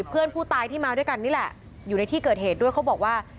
เพื่อนผู้ตายที่มาด้วยกันนี่แหละอยู่ในที่เกิดเหตุด้วยเขาบอกว่า